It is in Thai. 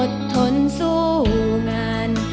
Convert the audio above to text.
ทนสู้งาน